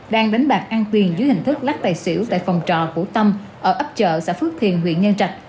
đang đánh bạc ăn tiền dưới hình thức lắc tài xỉu tại phòng trò cổ tâm ở ấp chợ xã phước thiền huyện nhân trạch